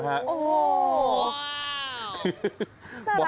น่ารักจริงนะ